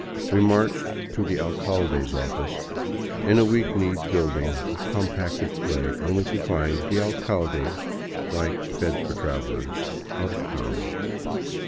We marched to the alcalde's office in a weak kneed building of compacted clay, only to find the alcalde, like beds for travelers, out of town.